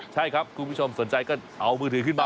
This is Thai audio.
ใช่ครับคุณผู้ชมสนใจก็เอามือถือขึ้นมา